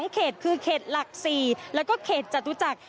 เขตคือเขตหลัก๔แล้วก็เขตจตุจักร